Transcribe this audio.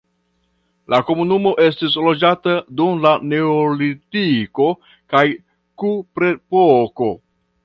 La komunumo estis loĝata dum la neolitiko kaj kuprepoko.